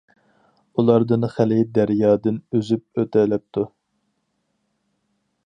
ئۇلاردىن خىلى دەريادىن ئۈزۈپ ئۆتەلەپتۇ.